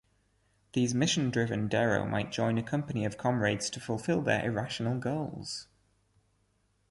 These mission-driven derro might join a company of comrades to fulfill their irrational goals.